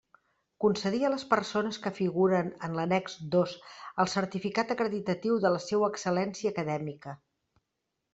Concedir a les persones que figuren en l'annex dos el certificat acreditatiu de la seua excel·lència acadèmica.